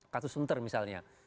katus punter misalnya